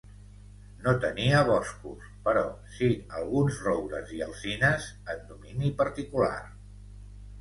No tenia boscos, però sí alguns roures i alzines en domini particular.